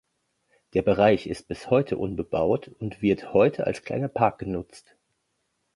Der Bereich ist bis heute unbebaut und wird heute als kleiner Park genutzt.